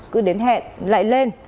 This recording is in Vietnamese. cứ đến hẹn lại lên